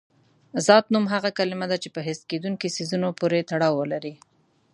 ذات نوم هغه کلمه ده چې په حس کېدونکي څیزونو پورې تړاو ولري.